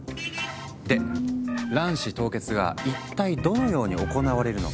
で卵子凍結が一体どのように行われるのか。